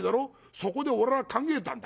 そこで俺は考えたんだ。